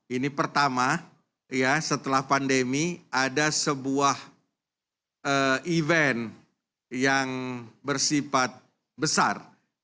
ini pertama setelah pandemi ada sebuah event yang bersifat besar